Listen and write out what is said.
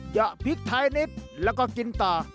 เยอะพริกไทยนิดแล้วก็กินต่อ